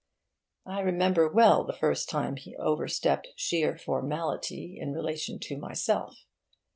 I remember well the first time he overstepped sheer formality in relation to myself.